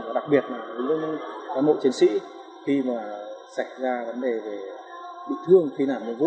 mà đặc biệt là đối với các mẫu chiến sĩ khi mà xảy ra vấn đề về bị thương khi nản nội vụ